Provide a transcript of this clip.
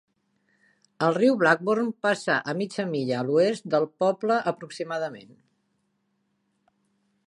El riu Blackbourne passa a mitja milla a l'oest del poble aproximadament.